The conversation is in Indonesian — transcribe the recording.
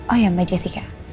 oh iya mbak jessica